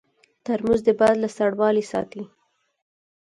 ترموز د باد له سړوالي ساتي.